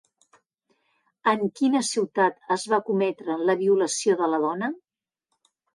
En quina ciutat es va cometre la violació de la dona?